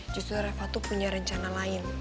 justru reva tuh punya rencana lain